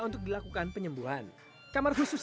untuk dilakukan penyembuhan kamar khusus